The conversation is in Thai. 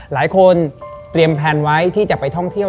หลายคนเตรียมแพลนไว้ที่จะไปท่องเที่ยว